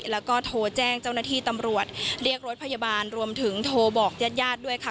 แล้วก็โทรแจ้งเจ้าหน้าที่ตำรวจเรียกรถพยาบาลรวมถึงโทรบอกญาติญาติด้วยค่ะ